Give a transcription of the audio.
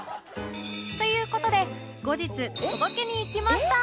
という事で後日届けに行きました